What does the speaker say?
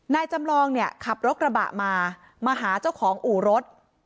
จำลองเนี่ยขับรถกระบะมามาหาเจ้าของอู่รถ